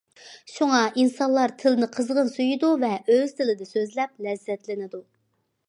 شۇڭا، ئىنسانلار تىلنى قىزغىن سۆيىدۇ ۋە ئۆز تىلىدا سۆزلەپ لەززەتلىنىدۇ.